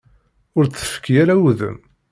Ur d-tefki ara udem.